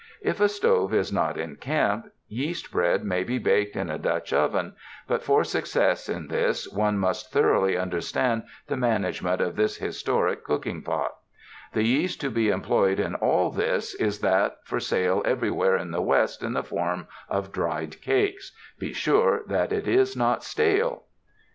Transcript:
If a stove is not in camp, yeast bread may be baked in a Dutch oven, but for success in this one must thoroughly understand the management of this historic cook ing pot. The yeast to be employed in all this is 291 UNDER THE SKY IN CALIFORNIA that for sale everywhere in the West in the form of dried cakes. Be sure that it is not stale.